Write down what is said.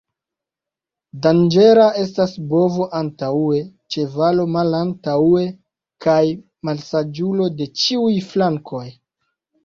Danĝera estas bovo antaŭe, ĉevalo malantaŭe, kaj malsaĝulo de ĉiuj flankoj.